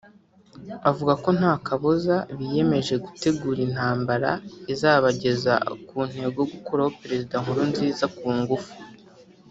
avuga ko nta kabuza biyemeje gutegura intambara izabageza ku ntego yo gukuraho Perezida Nkurunziza ku ngufu